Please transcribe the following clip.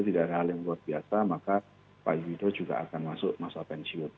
tidak ada hal yang luar biasa maka pak yudho juga akan masuk masa pensiun